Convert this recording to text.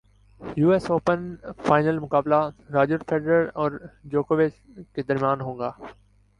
you S open final مقابلہ Roger Federer اور جوکووچ کے درمیان ہوگا